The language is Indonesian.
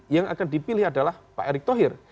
yang akan dipilih adalah pak erick thohir